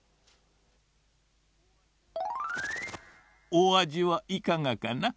おあじはいかがかな？